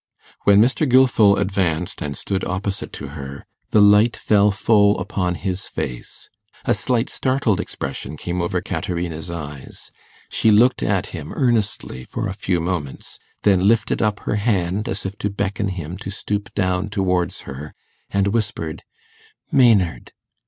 When Mr. Gilfil advanced and stood opposite to her, the light fell full upon his face. A slight startled expression came over Caterina's eyes; she looked at him earnestly for a few moments, then lifted up her hand as if to beckon him to stoop down towards her, and whispered 'Maynard!